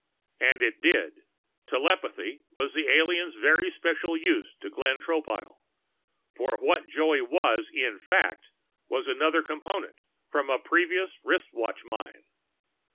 And it did. Telepathy was the alien's very special use to Glenn Tropile, for what Joey was in fact was another Component, from a previous wristwatch mine.